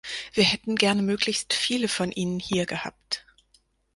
Wir hätten gerne möglichst viele von Ihnen hier gehabt.